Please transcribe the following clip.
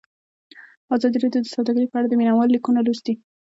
ازادي راډیو د سوداګري په اړه د مینه والو لیکونه لوستي.